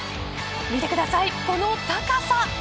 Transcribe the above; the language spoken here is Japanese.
見てください、この高さ。